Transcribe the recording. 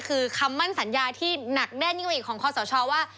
คือคำมั่นสัญญาที่หนักแน่นิ่งอีกของข้อสาวชอบว่า